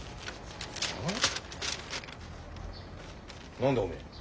何だおめえ。